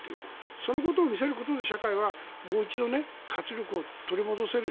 そのことを見せることで社会はもう一度活力を取り戻せる。